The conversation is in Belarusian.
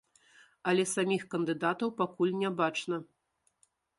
Але саміх кандыдатаў пакуль не бачна.